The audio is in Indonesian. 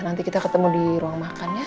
nanti kita ketemu di ruang makan ya